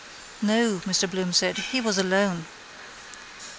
—No, Mr Bloom said. He was alone.